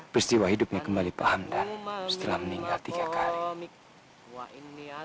peristiwa hidupnya kembali paham dan setelah meninggal tiga kali